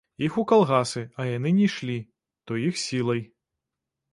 Іх у калгасы, а яны не ішлі, то іх сілай.